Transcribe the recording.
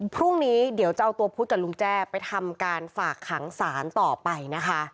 พรุ่งนี้เดี๋ยวจะเอาตัวพุทธกับลุงแจ้ไปทำการฝากขังสารต่อไปนะคะ